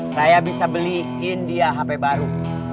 saya bisa beliin dia hape baru